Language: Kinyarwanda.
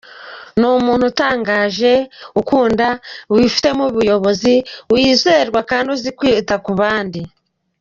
Ni umuntu utangaje, ukundwa, wifitemo ubuyobozi, wizerwa kandi uzi kwita ku bandi.